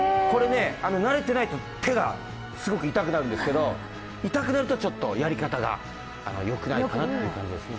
慣れていないと手がすごく痛くなるんですけど、痛くなるとちょっとやり方が良くないかなという感じですね。